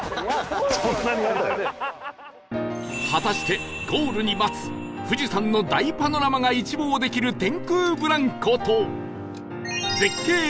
果たしてゴールに待つ富士山の大パノラマが一望できる天空ブランコと絶景